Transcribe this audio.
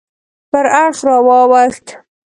پر اړخ راواوښت.